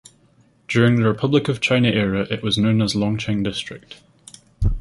During the Republic of China era it was known as Longcheng District.